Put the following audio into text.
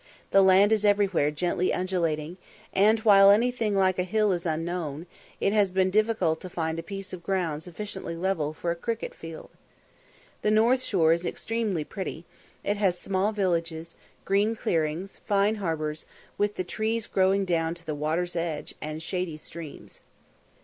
The land is everywhere gently undulating, and, while anything like a hill is unknown, it has been difficult to find a piece of ground sufficiently level for a cricket field. The north shore is extremely pretty; it has small villages, green clearings, fine harbours, with the trees growing down to the water's edge, and shady streams.